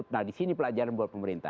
nah di sini pelajaran buat pemerintah